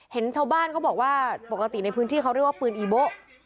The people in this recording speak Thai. เห็นชาวบ้านเขาบอกว่าปกติในพื้นที่เขาเรียกว่าปืนอีโบ๊ะ